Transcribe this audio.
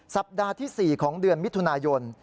สัปดาห์ที่๔ของเดือนมิถุนายน